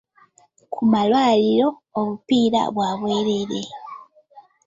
Ku malwaliro, obupiira bwa bwereere.